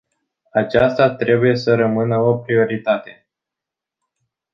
Aceasta trebuie să rămână o prioritate.